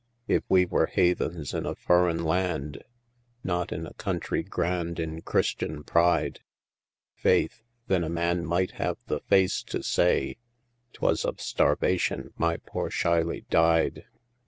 If we were haythens in a furrin' land, Not in a country grand in Christian pride, Faith, then a man might have the face to say 'Twas of stharvation my poor Shylie died.